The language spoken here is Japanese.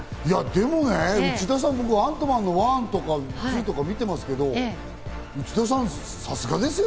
でもね、内田さん『アントマン』の１とか２とか、僕、見てますけど、内田さん、さすがですよ。